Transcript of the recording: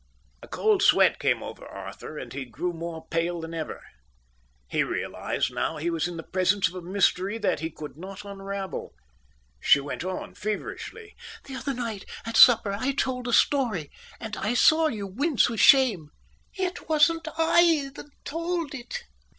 A cold sweat came over Arthur, and he grew more pale than ever. He realized now he was in the presence of a mystery that he could not unravel. She went on feverishly. "The other night, at supper, I told a story, and I saw you wince with shame. It wasn't I that told it.